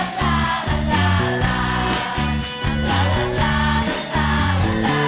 ลาลาลาลาลาลาลาลาลา